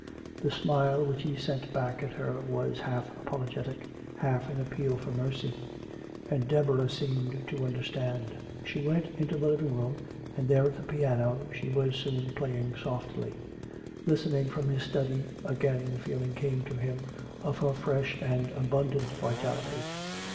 The smile which he sent back at her was half apologetic, half an appeal for mercy. And Deborah seemed to understand. She went into the living room, and there at the piano she was soon playing softly. Listening from his study, again the feeling came to him of her fresh and abundant vitality.